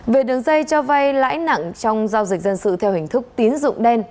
về đường dây cho vay lãi nặng trong giao dịch dân sự theo hình thức tín dụng đen